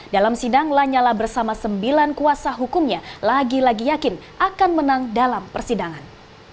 dalam sidang lanyala bersama sembilan kuasa hukumnya lagi lagi yakin akan menang dalam persidangan